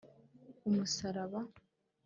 umusaraba